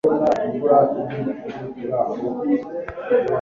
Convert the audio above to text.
urashaka iki nimugoroba?